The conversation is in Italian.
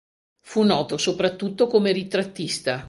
Fu noto soprattutto come ritrattista.